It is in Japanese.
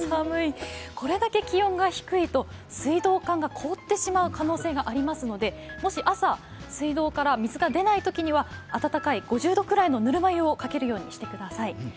これだけ気温が低いと水道管が凍ってしまう可能性がありますのでもし朝、水道から水が出ないときには温かい５０度くらいのぬるま湯をかるようにしてください。